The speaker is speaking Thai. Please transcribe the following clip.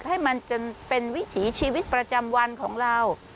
ให้มันจนเป็นวิถีชีวิตประจำวันของเรา